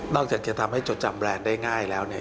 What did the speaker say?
จะทำให้จดจำแรนด์ได้ง่ายแล้วเนี่ย